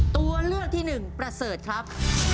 ตัวเลือกที่หนึ่งประเสริฐครับ